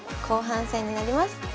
後半戦」になります。